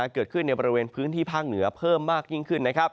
เกิดขึ้นในบริเวณพื้นที่ภาคเหนือเพิ่มมากยิ่งขึ้น